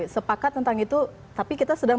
sepakat tentang itu tapi kita sedang